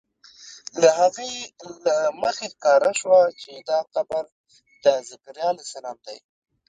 له هغې له مخې ښکاره شوه چې دا قبر د ذکریا علیه السلام دی.